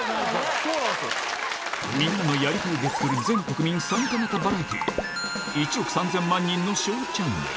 みんなの「やりたい」で作る全国民参加型バラエティー『１億３０００万人のＳＨＯＷチャンネル』！